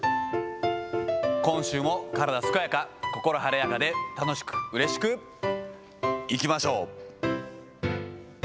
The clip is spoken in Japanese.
今週も体健やか心晴れやかで、楽しくうれしくいきましょう。